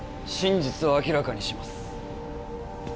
真実を明らかにします